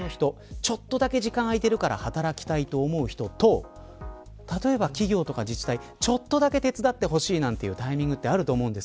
ちょっとだけ時間が空いてるから働きたいと思う人と企業とか自治体、ちょっとだけ手伝ってほしいというタイミングがあると思うんです。